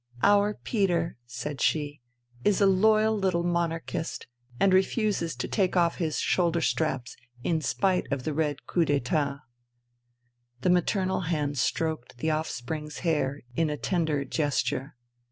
" Our Peter," said she, " is a loyal little monarchist and refuses to take off his shoulder straps in spite of the Red cowp d'itaV The maternal hand stroked the offspring's hair in a tender gesture.